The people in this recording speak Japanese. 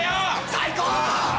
最高！